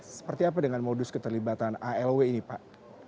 seperti apa dengan modus keterlibatan alw ini pak